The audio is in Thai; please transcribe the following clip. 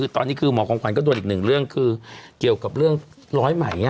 ตอนนี้คือหมอของขวัญก็โดนอีกหนึ่งเรื่องคือเกี่ยวกับเรื่องร้อยไหม